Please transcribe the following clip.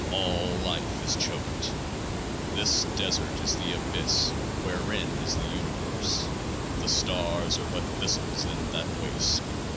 All life is choked. This desert is the Abyss wherein is the Uni verse. The Stars are but thistles in that waste.